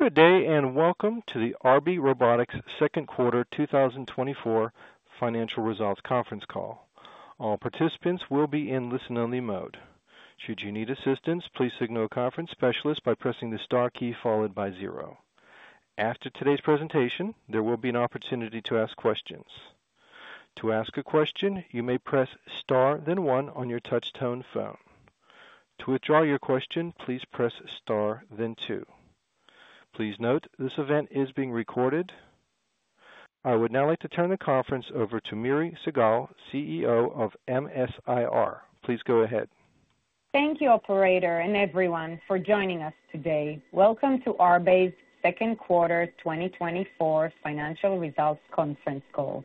Good day, and welcome to the Arbe Robotics second quarter 2024 financial results conference call. All participants will be in listen-only mode. Should you need assistance, please signal a conference specialist by pressing the star key followed by zero. After today's presentation, there will be an opportunity to ask questions. To ask a question, you may press Star, then one on your touch-tone phone. To withdraw your question, please press Star, then two. Please note, this event is being recorded. I would now like to turn the conference over to Miri Segal, CEO of MS-IR. Please go ahead. Thank you, operator, and everyone for joining us today. Welcome to Arbe's second quarter 2024 financial results conference call.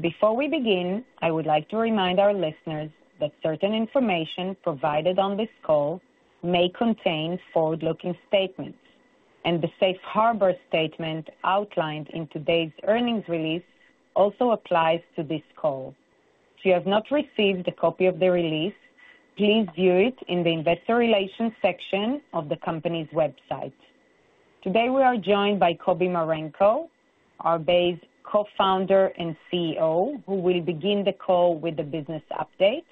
Before we begin, I would like to remind our listeners that certain information provided on this call may contain forward-looking statements, and the safe harbor statement outlined in today's earnings release also applies to this call. If you have not received a copy of the release, please view it in the investor relations section of the company's website. Today, we are joined by Kobi Marenko, Arbe's co-founder and CEO, who will begin the call with the business update.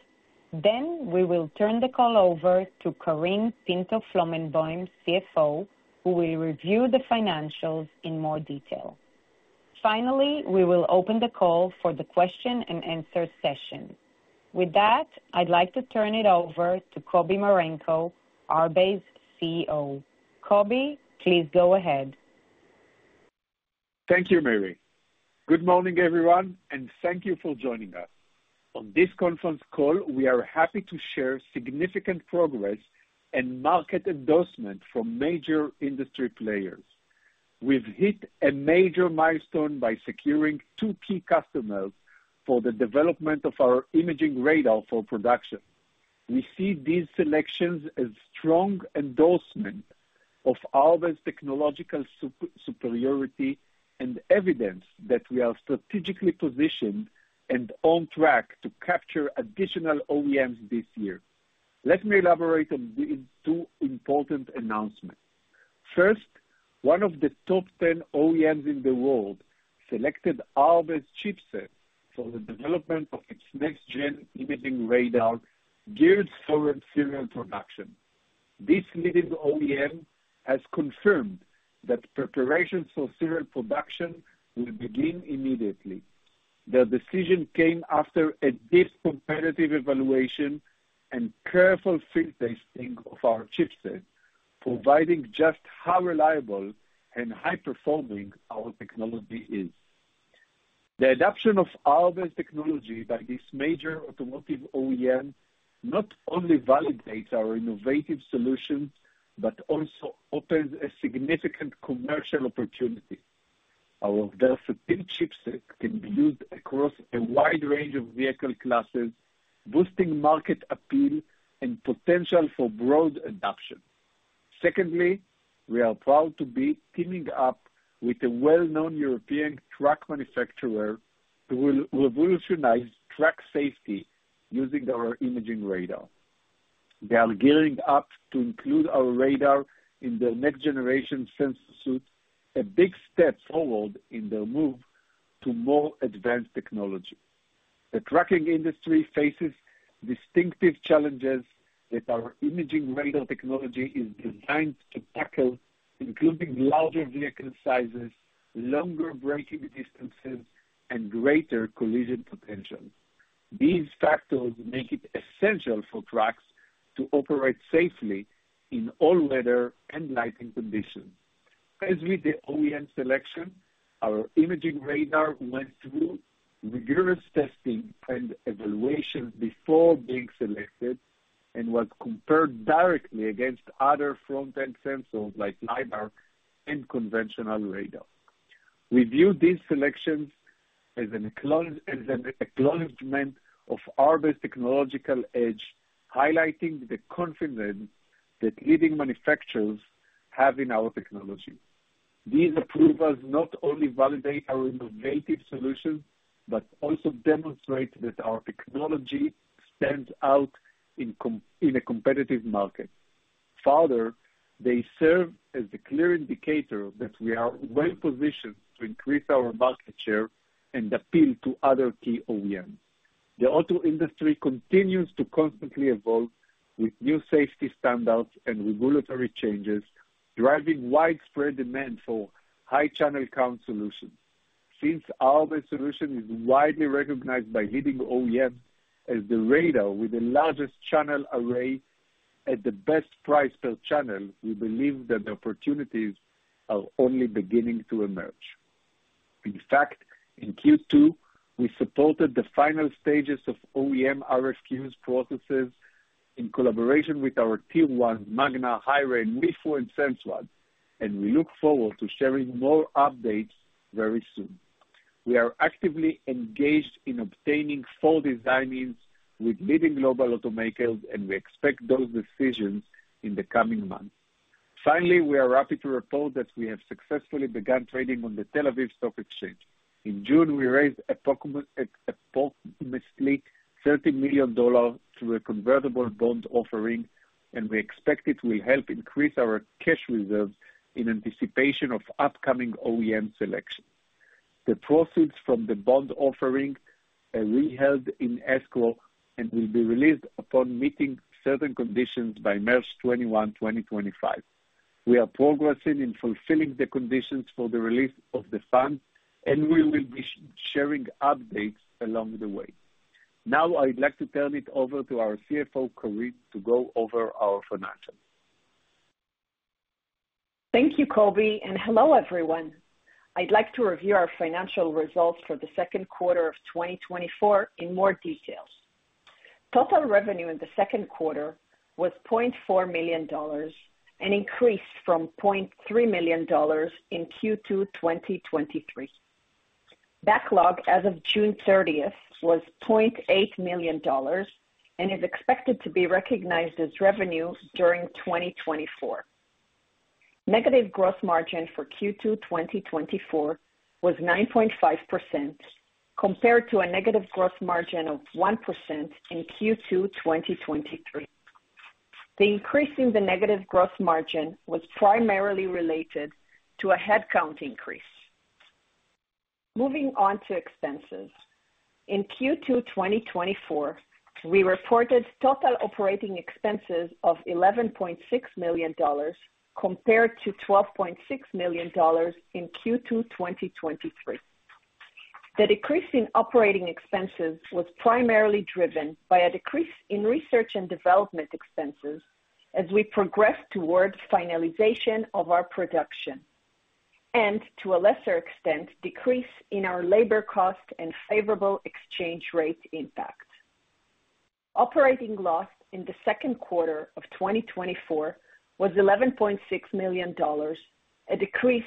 Then we will turn the call over to Karine Pinto-Flomenboim, CFO, who will review the financials in more detail. Finally, we will open the call for the question-and-answer session. With that, I'd like to turn it over to Kobi Marenko, Arbe's CEO. Kobi, please go ahead. Thank you, Miri. Good morning, everyone, and thank you for joining us. On this conference call, we are happy to share significant progress and market endorsement from major industry players. We've hit a major milestone by securing 2 key customers for the development of our imaging radar for production. We see these selections as strong endorsement of Arbe's technological superiority and evidence that we are strategically positioned and on track to capture additional OEMs this year. Let me elaborate on these two important announcements. First, one of the top 10 OEMs in the world selected Arbe's chipset for the development of its next-gen imaging radar geared toward serial production. This leading OEM has confirmed that preparations for serial production will begin immediately. The decision came after a deep competitive evaluation and careful field testing of our chipset, proving just how reliable and high-performing our technology is. The adoption of Arbe's technology by this major automotive OEM not only validates our innovative solutions, but also opens a significant commercial opportunity. Our versatile chipset can be used across a wide range of vehicle classes, boosting market appeal and potential for broad adoption. Secondly, we are proud to be teaming up with a well-known European truck manufacturer who will revolutionize truck safety using our imaging radar. They are gearing up to include our radar in their next-generation sensor suite, a big step forward in their move to more advanced technology. The trucking industry faces distinctive challenges that our imaging radar technology is designed to tackle, including larger vehicle sizes, longer braking distances, and greater collision potential. These factors make it essential for trucks to operate safely in all weather and lighting conditions. As with the OEM selection, our imaging radar went through rigorous testing and evaluation before being selected and was compared directly against other front-end sensors like LiDAR and conventional radar. We view these selections as an acknowledgment of Arbe's technological edge, highlighting the confidence that leading manufacturers have in our technology. These approvals not only validate our innovative solutions, but also demonstrate that our technology stands out in a competitive market. Further, they serve as a clear indicator that we are well-positioned to increase our market share and appeal to other key OEMs. The auto industry continues to constantly evolve with new safety standards and regulatory changes, driving widespread demand for high channel count solutions. Since Arbe solution is widely recognized by leading OEMs as the radar with the largest channel array at the best price per channel, we believe that the opportunities are only beginning to emerge. In fact, in Q2, we supported the final stages of OEM RFQ processes in collaboration with our Tier 1, Magna, HiRain, and Weifu, and Sensrad, and we look forward to sharing more updates very soon. We are actively engaged in obtaining full design-ins with leading global automakers, and we expect those decisions in the coming months. Finally, we are happy to report that we have successfully begun trading on the Tel Aviv Stock Exchange. In June, we raised approximately $30 million through a convertible bond offering, and we expect it will help increase our cash reserves in anticipation of upcoming OEM selection. The proceeds from the bond offering are being held in escrow and will be released upon meeting certain conditions by March 21, 2025. We are progressing in fulfilling the conditions for the release of the funds, and we will be sharing updates along the way. Now, I'd like to turn it over to our CFO, Karine, to go over our financials. Thank you, Kobi, and hello, everyone. I'd like to review our financial results for the second quarter of 2024 in more details. Total revenue in the second quarter was $0.4 million, an increase from $0.3 million in Q2 2023. Backlog as of June 30th was $0.8 million and is expected to be recognized as revenue during 2024. Negative gross margin for Q2 2024 was 9.5%, compared to a negative gross margin of 1% in Q2 2023. The increase in the negative gross margin was primarily related to a headcount increase. Moving on to expenses. In Q2 2024, we reported total operating expenses of $11.6 million, compared to $12.6 million in Q2 2023. The decrease in operating expenses was primarily driven by a decrease in research and development expenses as we progress towards finalization of our production, and to a lesser extent, decrease in our labor cost and favorable exchange rate impact. Operating loss in the second quarter of 2024 was $11.6 million, a decrease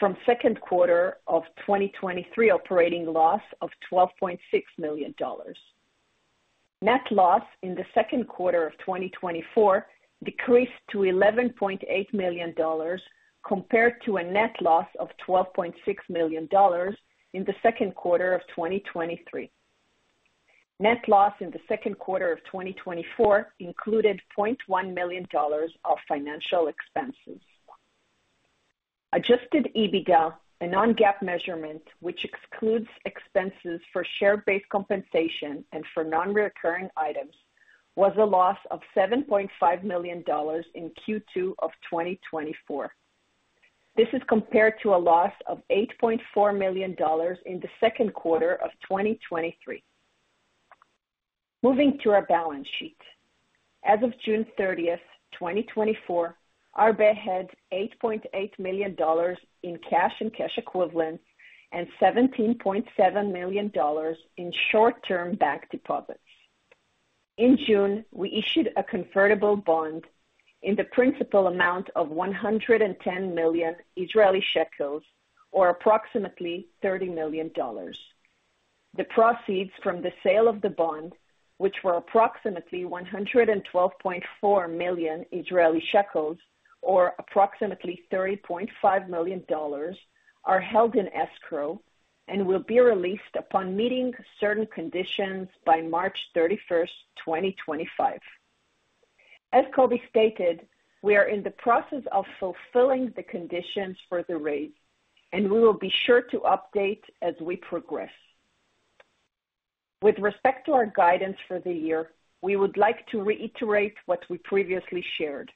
from second quarter of 2023 operating loss of $12.6 million. Net loss in the second quarter of 2024 decreased to $11.8 million, compared to a net loss of $12.6 million in the second quarter of 2023. Net loss in the second quarter of 2024 included $0.1 million of financial expenses. Adjusted EBITDA, a non-GAAP measurement, which excludes expenses for share-based compensation and for non-recurring items, was a loss of $7.5 million in Q2 of 2024. This is compared to a loss of $8.4 million in the second quarter of 2023. Moving to our balance sheet. As of June 30, 2024, Arbe had $8.8 million in cash and cash equivalents and $17.7 million in short-term bank deposits. In June, we issued a convertible bond in the principal amount of 110 million Israeli shekels, or approximately $30 million. The proceeds from the sale of the bond, which were approximately 112.4 million Israeli shekels, or approximately $30.5 million, are held in escrow and will be released upon meeting certain conditions by March 31, 2025. As Kobi stated, we are in the process of fulfilling the conditions for the raise, and we will be sure to update as we progress. With respect to our guidance for the year, we would like to reiterate what we previously shared.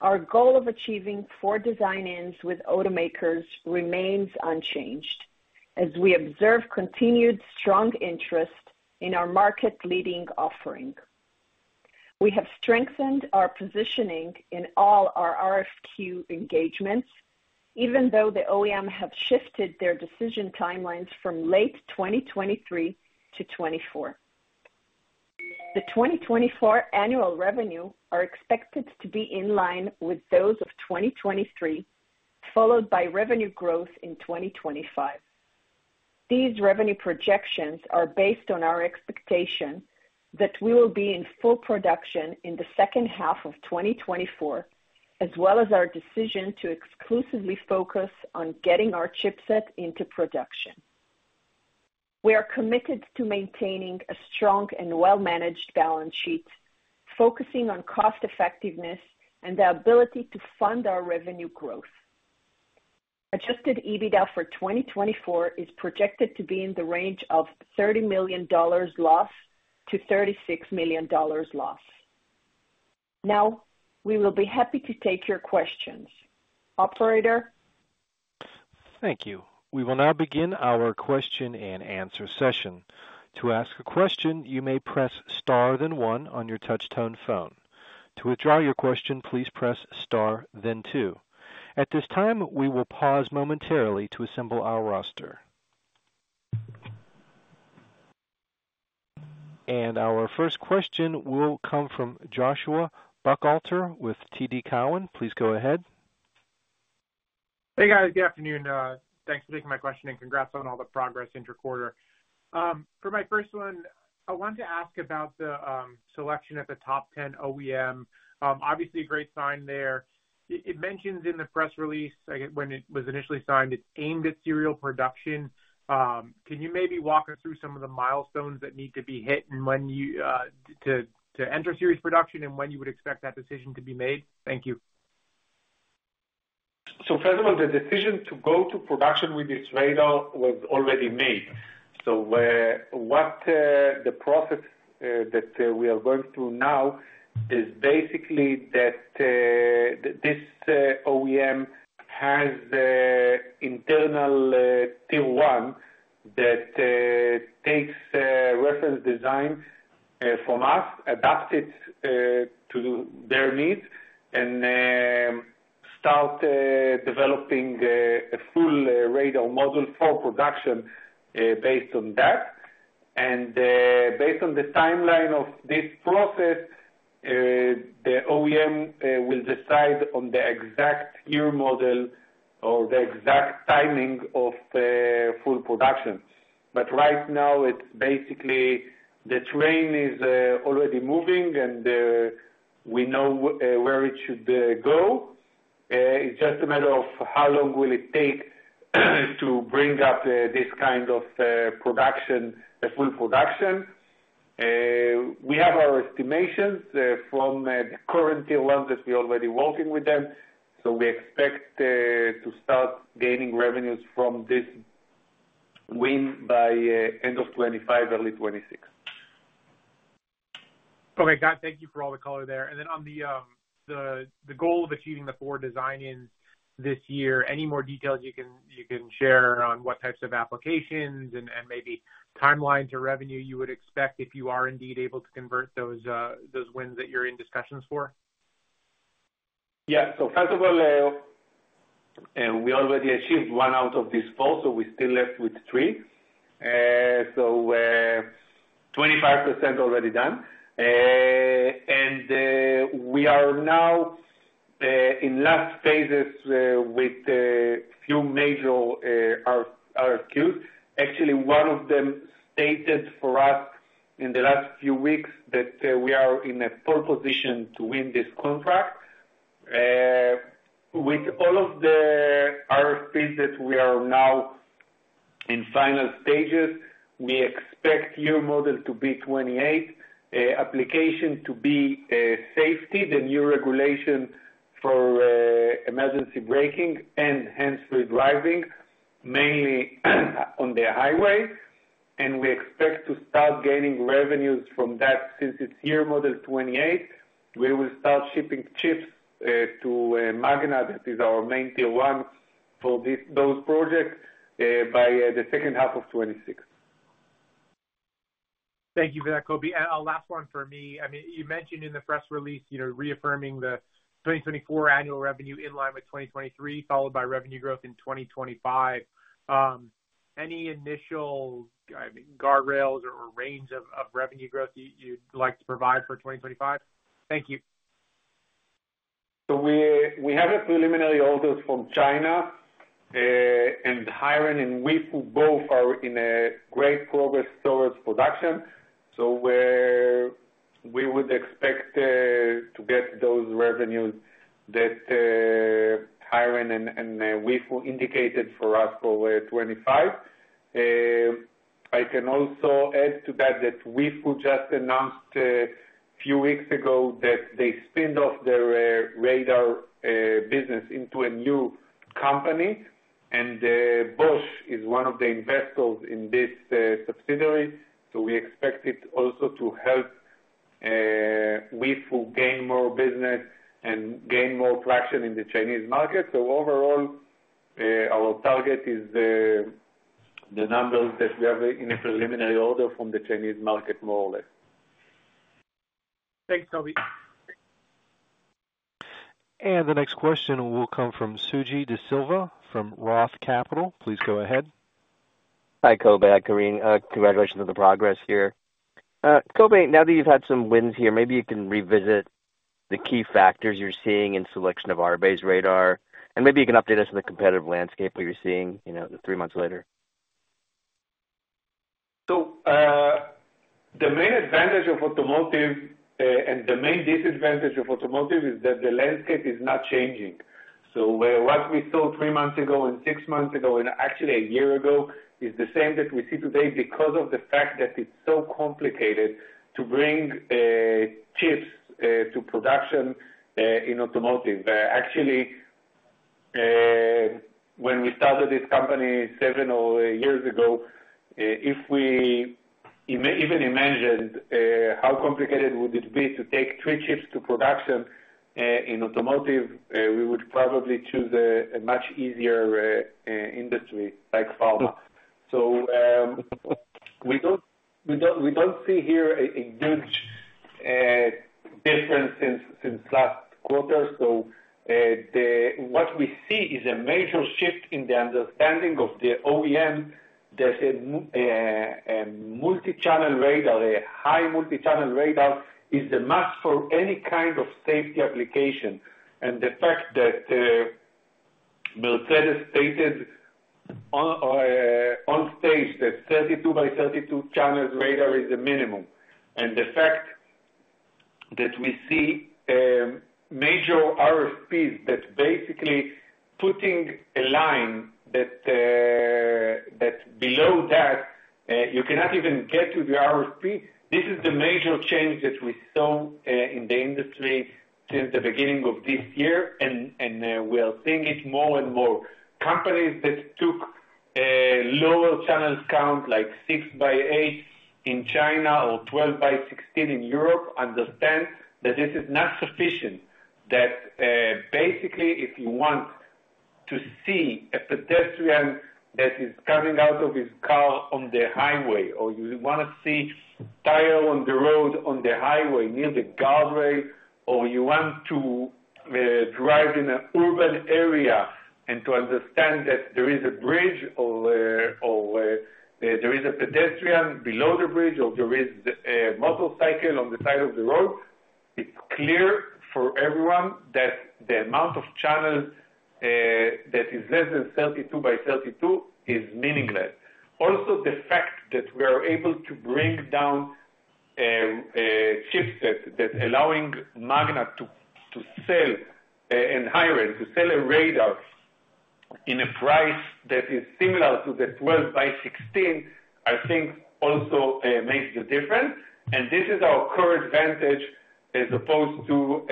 Our goal of achieving four design-ins with automakers remains unchanged, as we observe continued strong interest in our market-leading offering. We have strengthened our positioning in all our RFQ engagements, even though the OEM have shifted their decision timelines from late 2023 -2024. The 2024 annual revenue are expected to be in line with those of 2023, followed by revenue growth in 2025. These revenue projections are based on our expectation that we will be in full production in the second half of 2024, as well as our decision to exclusively focus on getting our chipset into production. We are committed to maintaining a strong and well-managed balance sheet, focusing on cost effectiveness and the ability to fund our revenue growth. Adjusted EBITDA for 2024 is projected to be in the range of $30 million-$36 million loss. Now, we will be happy to take your questions. Operator? Thank you. We will now begin our question-and-answer session. To ask a question, you may press star then one on your touchtone phone. To withdraw your question, please press star then two. At this time, we will pause momentarily to assemble our roster. Our first question will come from Joshua Buchalter with TD Cowen. Please go ahead. Hey, guys. Good afternoon. Thanks for taking my question, and congrats on all the progress interquarter. For my first one, I wanted to ask about the selection at the top 10 OEM. Obviously, a great sign there. It mentions in the press release. I get when it was initially signed; it's aimed at serial production. Can you maybe walk us through some of the milestones that need to be hit and when you to enter series production, and when you would expect that decision to be made? Thank you. So first of all, the decision to go to production with this radar was already made. The process that we are going through now is basically that this OEM has internal Tier 1 that takes reference design from us, adapts it to their needs, and start developing a full radar model for production based on that. And based on the timeline of this process, the OEM will decide on the exact year model or the exact timing of full production. But right now, it's basically the train is already moving and we know where it should go. It's just a matter of how long will it take to bring up this kind of production, a full production. We have our estimations from the current Tier 1 that we're already working with them. So we expect to start gaining revenues from this win by end of 2025, early 2026. Okay, got it. Thank you for all the color there. And then on the goal of achieving the four design-ins this year, any more details you can share on what types of applications and maybe timelines or revenue you would expect if you are indeed able to convert those wins that you're in discussions for? Yeah. So first of all, and we already achieved one out of these four, so we still left with three. So, 25% already done. And, we are now in last phases with a few major RFQs. Actually, one of them stated for us in the last few weeks that we are in a pole position to win this contract. With all of the RFPs that we are now in final stages, we expect new models to be 2028, application to be safety, the new regulation for emergency braking and hands-free driving, mainly on the highway. And we expect to start gaining revenues from that since it's year model 2028. We will start shipping chips to Magna, that is our main Tier 1 for this, those projects by the second half of 2026. Thank you for that, Kobi. A last one for me. I mean, you mentioned in the press release, you know, reaffirming the 2024 annual revenue in line with 2023, followed by revenue growth in 2025. Any initial guardrails or range of revenue growth you'd like to provide for 2025? Thank you. So we have preliminary orders from China, and HiRain and Weifu both are in great progress towards production. So we would expect to get those revenues that HiRain and Weifu indicated for us for 2025. I can also add to that, that Weifu just announced a few weeks ago that they spun off their radar business into a new company, and Bosch is one of the investors in this subsidiary, so we expect it also to help Weifu gain more business and gain more traction in the Chinese market. So overall, our target is the numbers that we have in a preliminary order from the Chinese market, more or less. Thanks, Kobi. The next question will come from Suji Desilva, from Roth Capital. Please go ahead. Hi, Kobi, Karine. Congratulations on the progress here. Kobi, now that you've had some wins here, maybe you can revisit the key factors you're seeing in selection of our radar, and maybe you can update us on the competitive landscape that you're seeing, you know, three months later. So, the main advantage of automotive, and the main disadvantage of automotive is that the landscape is not changing. So what we saw three months ago and six months ago, and actually a year ago, is the same that we see today because of the fact that it's so complicated to bring chips to production in automotive. Actually, when we started this company seven or eight years ago, if we even imagined how complicated would it be to take three chips to production in automotive, we would probably choose a much easier industry, like pharma. So, we don't see here a huge difference since last quarter. So, what we see is a major shift in the understanding of the OEM, that a multi-channel radar, a high multi-channel radar, is a must for any kind of safety application. And the fact that Mercedes stated on stage that 32 by 32 channels radar is the minimum, and the fact that we see major RFPs, that's basically putting a line that below that you cannot even get to the RFP. This is the major change that we saw in the industry since the beginning of this year, and we are seeing it more and more. Companies that took lower channels count, like six by eight in China or 12 by 16 in Europe, understand that this is not sufficient. That, basically, if you want to see a pedestrian that is coming out of his car on the highway, or you wanna see tire on the road, on the highway, near the guardrail, or you want to drive in an urban area and to understand that there is a bridge or, or there is a pedestrian below the bridge, or there is a motorcycle on the side of the road, it's clear for everyone that the amount of channels that is less than 32 by 32 is meaningless. Also, the fact that we are able to bring down chips that allowing Magna to sell in high rate to sell a radar in a price that is similar to the 12 by 16, I think also makes the difference. This is our core advantage as opposed to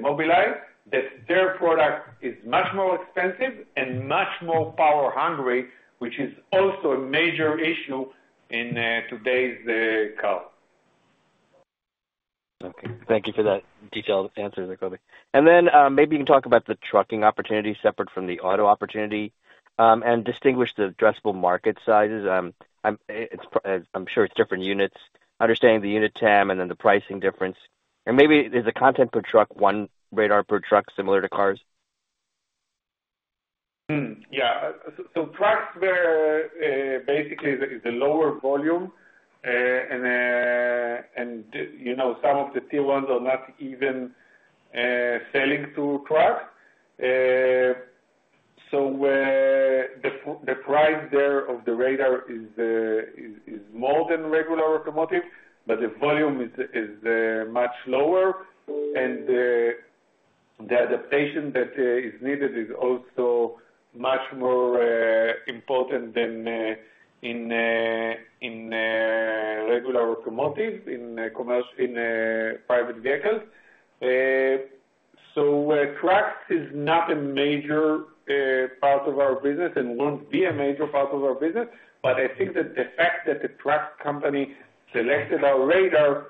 Mobileye, that their product is much more expensive and much more power hungry, which is also a major issue in today's car. Okay, thank you for that detailed answer there, Kobi. And then, maybe you can talk about the trucking opportunity separate from the auto opportunity, and distinguish the addressable market sizes. I'm sure it's different units. Understanding the unit TAM and then the pricing difference. And maybe is the content per truck, one radar per truck, similar to cars? So trucks were basically the lower volume, and you know, some of the Tier 1s are not even selling to trucks. So where the price there of the radar is more than regular automotive, but the volume is much lower and the adaptation that is needed is also much more important than in regular automotive, in commercial, in private vehicles. So trucks is not a major part of our business and won't be a major part of our business, but I think that the fact that the truck company selected our radar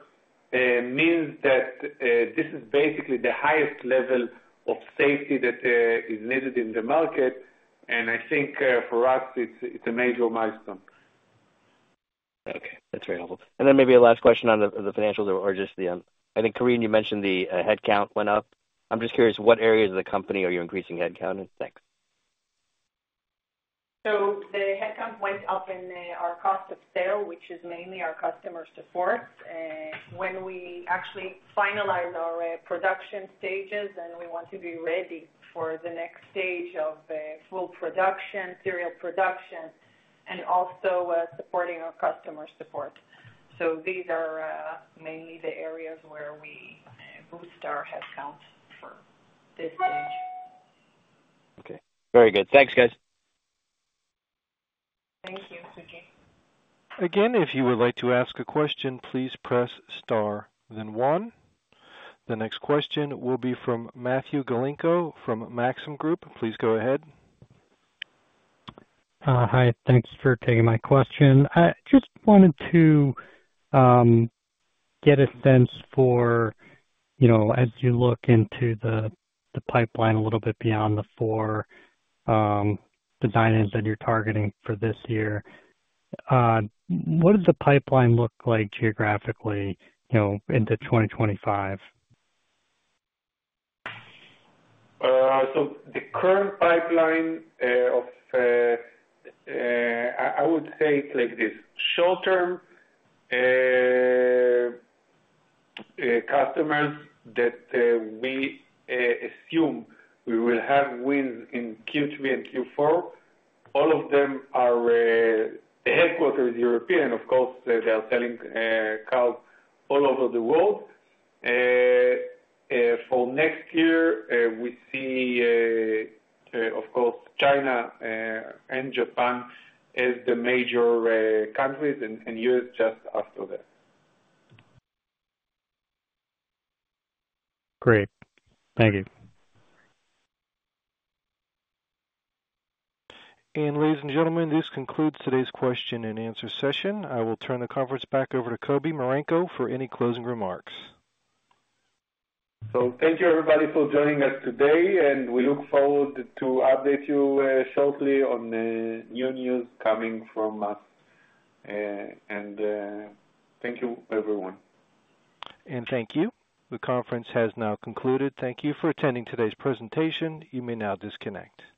means that this is basically the highest level of safety that is needed in the market, and I think for us, it's a major milestone. Okay, that's very helpful. And then maybe a last question on the financials or just the, I think, Karine, you mentioned the headcount went up. I'm just curious, what areas of the company are you increasing headcount in? Thanks. So the headcount went up in our cost of sale, which is mainly our customer support. When we actually finalize our production stages and we want to be ready for the next stage of full production, serial production, and also supporting our customer support. So these are mainly the areas where we boost our headcount for this stage. Okay, very good. Thanks, guys. Thank you, Suji. Again, if you would like to ask a question, please press star then one. The next question will be from Matthew Galinko from Maxim Group. Please go ahead. Hi, thanks for taking my question. I just wanted to get a sense for, you know, as you look into the pipeline a little bit beyond the four design-ins that you're targeting for this year, what does the pipeline look like geographically, you know, into 2025? So the current pipeline, I would say it's like this: short term, customers that we assume we will have wins in Q3 and Q4, all of them are, the headquarters is European, of course, they are selling cars all over the world. For next year, we see, of course, China, and Japan as the major countries, and U.S. just after that. Great. Thank you. Ladies and gentlemen, this concludes today's question and answer session. I will turn the conference back over to Kobi Marenko for any closing remarks. Thank you, everybody, for joining us today, and we look forward to update you shortly on new news coming from us, and thank you, everyone. Thank you. The conference has now concluded. Thank you for attending today's presentation. You may now disconnect.